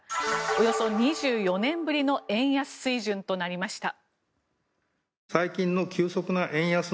およそ２４年ぶりの円安水準となりました。